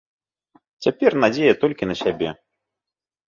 Цяпер надзея толькі на сябе.